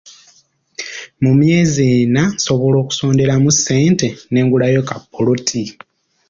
Mu myezi ena nsobola okusonderamu ssente ne ngulayo ka ppoloti.